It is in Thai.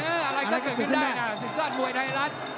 เอออะไรก็เกิดขึ้นได้น่ะสิทธิ์การมวยไทยรัฐ